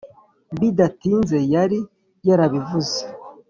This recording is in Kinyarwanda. bidatinze yari yarabivuze